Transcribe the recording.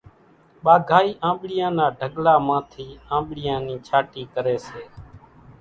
ٻاگھائِي آنٻڙِيان نا ڍڳلا مان ٿِي آنٻڙِيان نِي ڇانٽِي ڪريَ سي۔